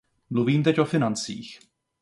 Mluvím teď o financích.